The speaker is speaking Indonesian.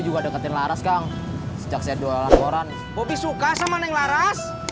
juga deketin laras kang sejak saya jualan orang bobby suka sama yang laras